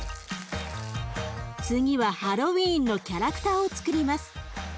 次はハロウィーンのキャラクターをつくります。